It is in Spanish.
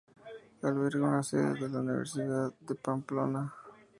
Alberga una sede de la Universidad de Pamplona.